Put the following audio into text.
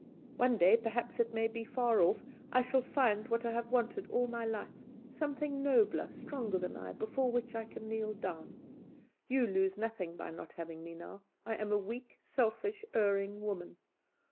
One day perhaps it may be far off I shall find what I have wanted all my life; something nobler, stronger than I, before which I can kneel down. You lose nothing by not having me now; I am a weak, selfish, erring woman.